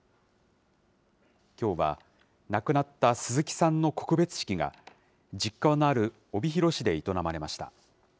きょうは、亡くなった鈴木さんの告別式が、実家のある帯広市で営まれました。